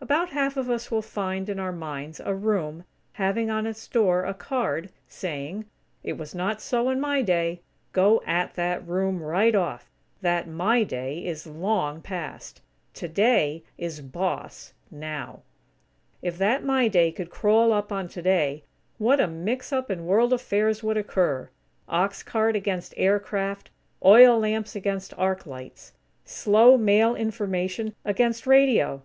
About half of us will find, in our minds, a room, having on its door a card, saying: "It Was Not So In My Day." Go at that room, right off. That "My Day" is long past. "Today" is boss, now. If that "My Day" could crawl up on "Today," what a mix up in World affairs would occur! Ox cart against aircraft; oil lamps against arc lights! Slow, mail information against radio!